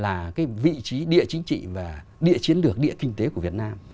là cái vị trí địa chính trị và địa chiến lược địa kinh tế của việt nam